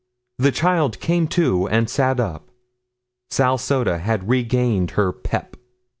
The child came to and sat up. Sal Soda had regained her pep.